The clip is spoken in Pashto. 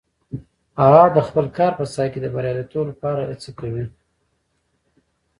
هغه د خپل کار په ساحه کې د بریالیتوب لپاره هڅې کوي